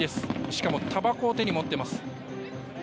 しかもたばこを手に持っています。